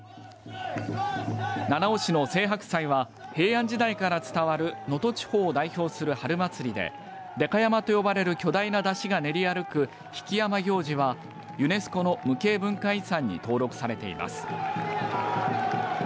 七尾市の青柏祭は平安時代から伝わる能登地方を代表する春祭りででか山と呼ばれる巨大な山車が練り歩く曳山行事はユネスコの無形文化遺産に登録されています。